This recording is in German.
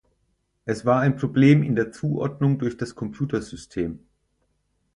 Es war ein Problem in der Zuordnung durch das Computersystem.